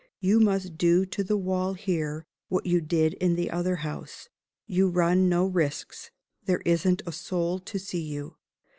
You must do to the wall here what you did in the other house. You run no risks. There isn't a soul to see you.